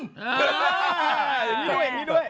อย่างนี้ด้วยอย่างนี้ด้วย